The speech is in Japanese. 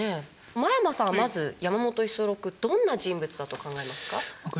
真山さんはまず山本五十六どんな人物だと考えますか？